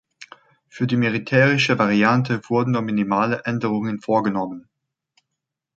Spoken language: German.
Für die militärische Variante wurden nur minimale Änderungen vorgenommen.